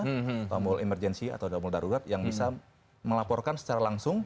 atau emul emergency atau emul darurat yang bisa melaporkan secara langsung